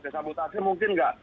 sabotajnya mungkin tidak